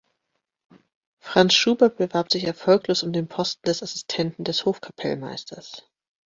Franz Schubert bewarb sich erfolglos um den Posten des Assistenten des Hofkapellmeisters.